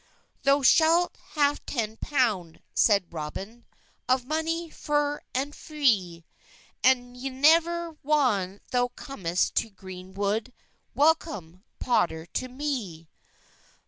"Thow schalt hafe ten ponde," seyde Roben, "Of money feyr and fre; And yever whan thou comest to grene wod, Wellcom, potter to me."